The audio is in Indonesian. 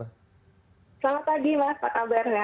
selamat pagi mas apa kabarnya